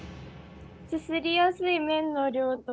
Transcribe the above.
すすりやすい麺の量とか。